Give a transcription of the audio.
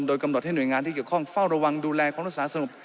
โดยกำหนดให้หน่วยงานที่เกี่ยวข้องเฝ้าระวังดูแลความรักษาสนุก